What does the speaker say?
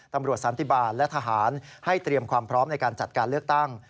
สันติบาลและทหารให้เตรียมความพร้อมในการจัดการเลือกตั้ง